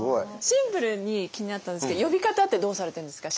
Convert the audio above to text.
シンプルに気になったんですけど呼び方ってどうされてるんですか？